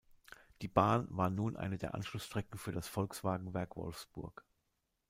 Die Bahn war nun eine der Anschlussstrecken für das Volkswagenwerk Wolfsburg.